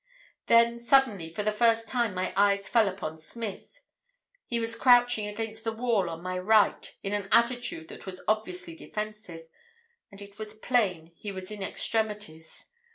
"Then, suddenly, for the first time my eyes fell upon Smith. He was crouching against the wall on my right, in an attitude that was obviously defensive, and it was plain he was in extremities.